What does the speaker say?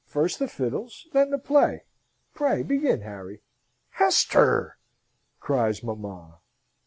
First the fiddles. Then the play. Pray begin, Harry!" "Hester!" cries mamma.